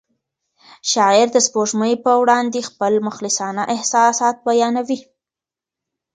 شاعر د سپوږمۍ په وړاندې خپل مخلصانه احساسات بیانوي.